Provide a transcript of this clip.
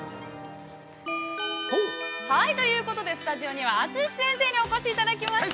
◆ということで、スタジオには、Ａｔｓｕｓｈｉ先生にお越しいただきました。